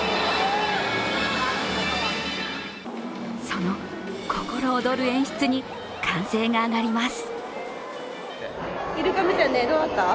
その心躍る演出に歓声が上がります。